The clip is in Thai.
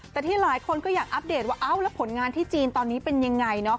แต่ที่หลายคนก็อยากอัปเดตว่าเอ้าแล้วผลงานที่จีนตอนนี้เป็นยังไงเนาะ